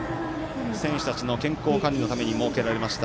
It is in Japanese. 選手たちの健康管理のために設けられました